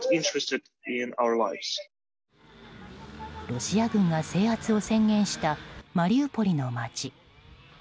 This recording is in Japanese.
ロシア軍が制圧を宣言したマリウポリの街。